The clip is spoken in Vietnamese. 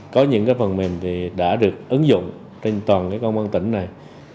có những phần mềm thì đã được ứng dụng trên toàn công an tỉnh này